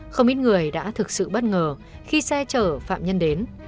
không ít người đã thực sự bất ngờ khi xe chở phạm nhân đến